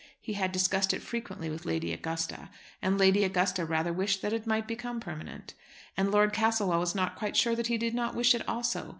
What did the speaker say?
He had discussed it frequently with Lady Augusta, and Lady Augusta rather wished that it might become permanent. And Lord Castlewell was not quite sure that he did not wish it also.